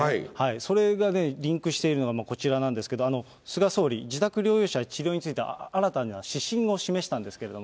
それがね、リンクしているのが、こちらなんですけど、菅総理、自宅療養者治療について、新たな指針を示したんですけれども。